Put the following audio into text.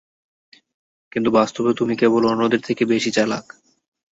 কিন্তু বাস্তবে তুমি কেবল অন্যদের থেকে বেশি চালাক।